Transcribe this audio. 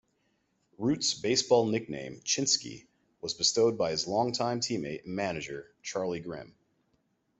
Root's baseball nickname, "Chinski," was bestowed by his longtime teammate and manager, Charlie Grimm.